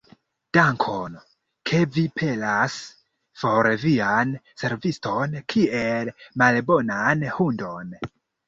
Dankon, ke vi pelas for vian serviston kiel malbonan hundon!